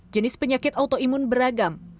jenis penyakit autoimun beragam